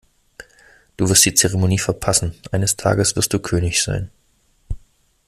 Du wirst die Zeremonie verpassen. Eines Tages wirst du König sein.